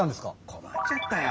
こまっちゃったよ。